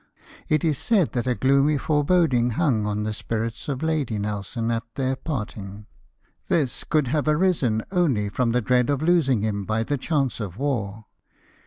" It is said that a gloomy foreboding hung on the spirits of Lady Nelson at their parting. This could have arisen only from the dread of losiag him by the chance of war.